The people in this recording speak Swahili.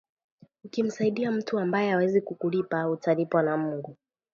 Ukimsaidia mtu ambaye hawezi kukulipa, utalipwa na Mungu.